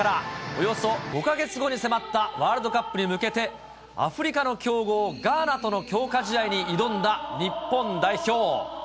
およそ５か月後に迫ったワールドカップに向けてアフリカの強豪、ガーナとの強化試合に挑んだ日本代表。